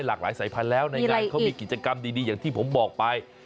หลากหลายสายพันธุ์แล้วในงานเขามีกิจกรรมดีอย่างที่ผมบอกไป